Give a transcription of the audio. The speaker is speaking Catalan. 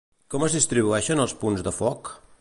Com es distribueixen els punts de foc?